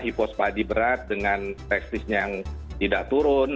hipospadi berat dengan testisnya yang tidak turun